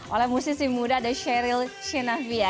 oleh musisi muda ada cheryl sinafia